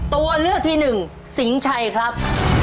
ตัวเลือกที่หนึ่งสิงชัยครับ